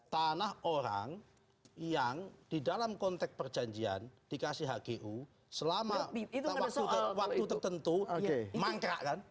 tanah orang yang di dalam konteks perjanjian dikasih hgu selama waktu tertentu mangkrak kan